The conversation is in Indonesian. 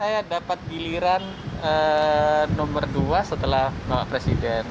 yang nomor dua setelah mbak presiden